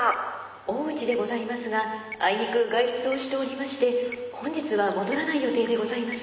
大内でございますがあいにく外出をしておりまして本日は戻らない予定でございます。